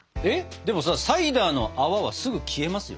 でもさサイダーの泡はすぐ消えますよ。